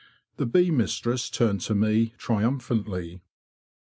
The bee mistress turned to me, triumphantly.